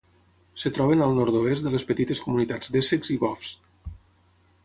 Es troben al nord-oest de les petites comunitats d'Essex i Goffs.